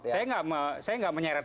saya tidak menyeret